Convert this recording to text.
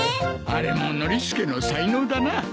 あれもノリスケの才能だな。